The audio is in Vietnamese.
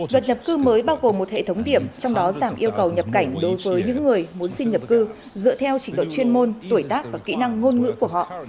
luật nhập cư mới bao gồm một hệ thống điểm trong đó giảm yêu cầu nhập cảnh đối với những người muốn sinh nhập cư dựa theo trình độ chuyên môn tuổi tác và kỹ năng ngôn ngữ của họ